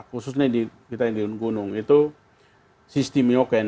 khususnya kita yang di gunung itu sistem noken